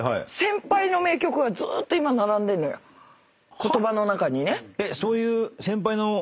言葉の中にね。